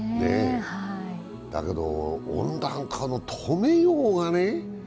だけど、温暖化の止めようがね。